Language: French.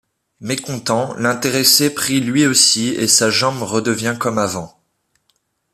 Mécontent, l'intéressé prie lui aussi et sa jambe redevient comme avant.